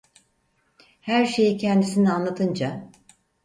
Her şeyi kendisine anlatınca…